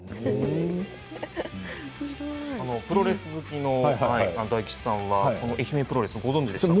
プロレス好きの大吉さんは愛媛プロレスご存じでしたか？